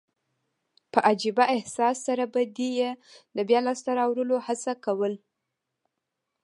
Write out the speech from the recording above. په عجبه احساس سره به دي يي د بیا لاسته راوړلو هڅه کول.